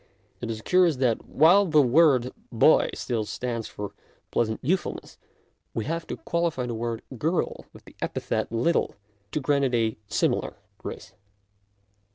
It is curious that while the word " boy " still stands for pleasant youthfulness, we have to qualify the word " girl " with the epithet " little " to grant it a similar grace.